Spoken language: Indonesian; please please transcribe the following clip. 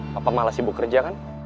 papa malah sibuk kerja kan